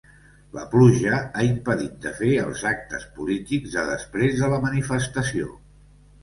La pluja ha impedit de fer els actes polítics de després de la manifestació.